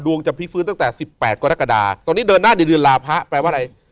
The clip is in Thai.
จะพลิกฟื้นตั้งแต่๑๘กรกฎาตอนนี้เดินหน้าในเดือนลาพระแปลว่าอะไร